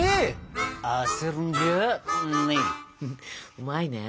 うまいね。